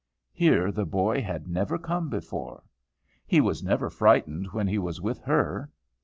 Here the boy had never come before. He was never frightened when he was with her.